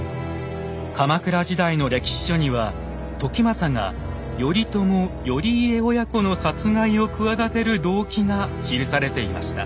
鎌倉時代の歴史書には時政が頼朝・頼家親子の殺害を企てる動機が記されていました。